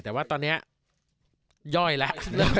แต่ว่าตอนนี้ย่อยแล้ว